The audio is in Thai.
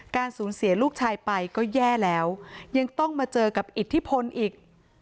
สูญเสียลูกชายไปก็แย่แล้วยังต้องมาเจอกับอิทธิพลอีก